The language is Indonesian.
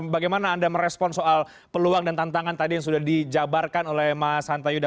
bagaimana anda merespon soal peluang dan tantangan tadi yang sudah dijabarkan oleh mas hanta yuda